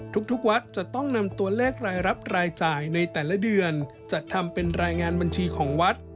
ทุกวัดจะต้องนำตัวเลขรายรับรายจ่ายในแต่ละเดือนจัดทำเป็นรายงานบัญชีของวัด